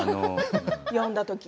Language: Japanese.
読んだとき。